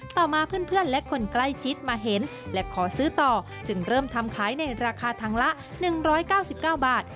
ต่อมาเพื่อนและคนใกล้ชิดมาเห็นและขอซื้อต่อจึงเริ่มทำขายในราคาถังละ๑๙๙บาท